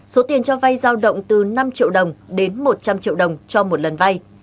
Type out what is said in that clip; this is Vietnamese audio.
số tiền cho vay giao động từ năm triệu đồng đến một trăm linh triệu đồng cho một lần vay